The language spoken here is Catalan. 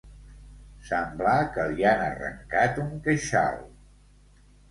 Semblar que li han arrencat un queixal.